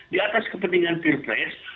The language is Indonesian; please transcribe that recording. di atas kepentingan peer press